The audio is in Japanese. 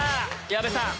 矢部さん